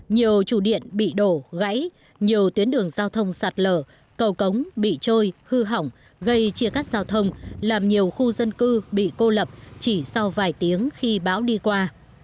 nhiều chủ điện bị đổ gãy nhiều tuyến đường giao thông sạt lở cầu cống bị trôi hư hỏng gây chia cắt giao thông làm nhiều khu dân cư bị cô lập chỉ sau vài tiếng khi bão đi qua